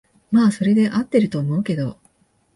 まあそれで合ってると思うけど